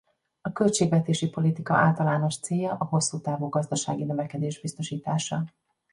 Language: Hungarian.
A költségvetési politika általános célja a hosszú távú gazdasági növekedés biztosítása.